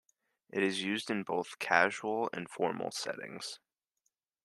It is used in both casual and formal settings.